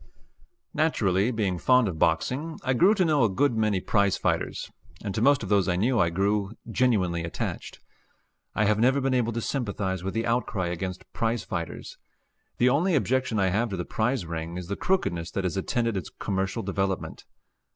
Naturally, being fond of boxing, I grew to know a good many prize fighters, and to most of those I knew I grew genuinely attached. I have never been able to sympathize with the outcry against prize fighters. The only objection I have to the prize ring is the crookedness that has attended its commercial development.